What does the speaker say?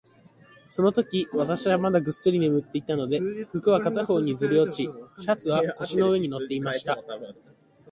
そのとき、私はまだぐっすり眠っていたので、服は片方にずり落ち、シャツは腰の上に載っていました。